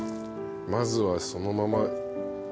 まずはそのまま。